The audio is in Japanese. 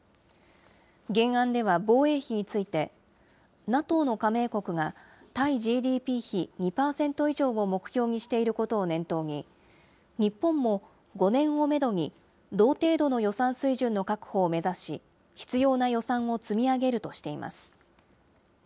原案では防衛費について、ＮＡＴＯの加盟国が対ＧＤＰ比２％以上を目標にしていることを念頭に、日本も５年をメドに同程度の予算水準の確保を目指し、必要な予算を積み上げるとしています。